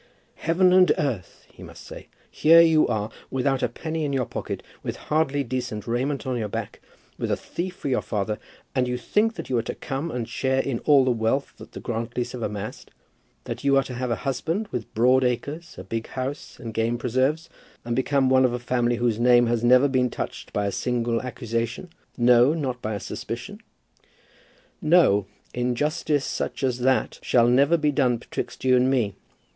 "Heaven and earth!" he must say, "here are you, without a penny in your pocket, with hardly decent raiment on your back, with a thief for your father, and you think that you are to come and share in all the wealth that the Grantlys have amassed, that you are to have a husband with broad acres, a big house, and game preserves, and become one of a family whose name has never been touched by a single accusation, no, not by a suspicion? No; injustice such as that shall never be done betwixt you and me.